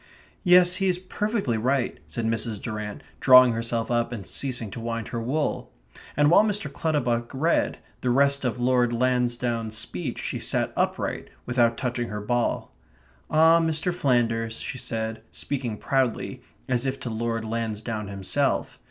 "Yes; he is perfectly right," said Mrs. Durrant, drawing herself up and ceasing to wind her wool. And while Mr. Clutterbuck read the rest of Lord Lansdowne's speech she sat upright, without touching her ball. "Ah, Mr. Flanders," she said, speaking proudly, as if to Lord Lansdowne himself.